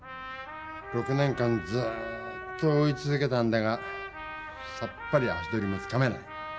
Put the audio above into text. ６年間ずっと追いつづけたんだがさっぱり足取りがつかめない。